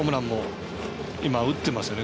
今、結構打ってますよね。